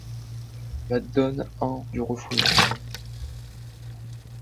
La donne un du refoulement.